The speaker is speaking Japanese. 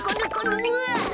うわ。